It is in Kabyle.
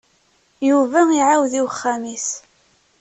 Yuba iɛawed i uxxam-is.